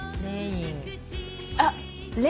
あっ。